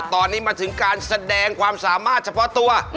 ตอนนี้มาถึงการแสดงความสามารถเฉพาะตัว